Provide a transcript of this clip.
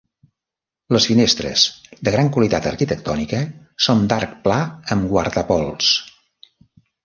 Les finestres, de gran qualitat arquitectònica, són d'arc pla amb guardapols.